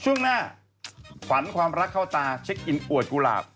ช่วงหน้าขวัญความรักเข้าตาเช็คอินอวดกุหลาบ